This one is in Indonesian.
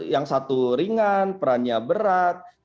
yang satu ringan perannya berat